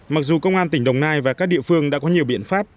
mặc dù công an tỉnh đồng nai và các địa phương đã có nhiều biện pháp